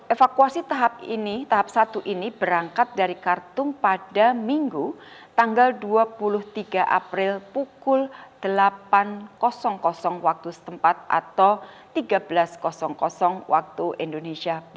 evakuasi tahap satu ini berangkat dari khartoum pada minggu dua puluh tiga april pukul delapan wni